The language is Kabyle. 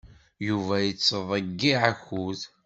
Yuba yettḍeyyiɛ akud.